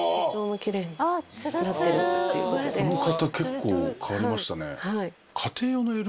この方結構変わりましたね。